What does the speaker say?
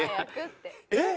えっ！